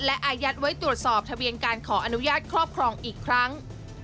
และอายัดไว้ตรวจสอบทะเบียนการขออนุญาตครอบครองอีกครั้ง